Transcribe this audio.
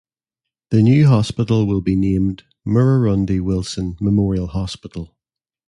The new hospital will be named Murrurundi Wilson Memorial Hospital.